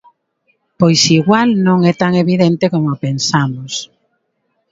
Pois igual non é tan evidente como pensamos.